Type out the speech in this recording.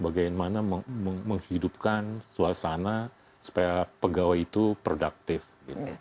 bagaimana menghidupkan suasana supaya pegawai itu productive